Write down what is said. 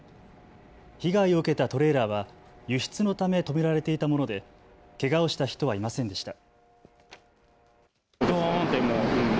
被害を受けたトレーラーは輸出のため止められていたものでけがをした人はいませんでした。